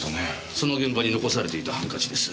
その現場に残されていたハンカチです。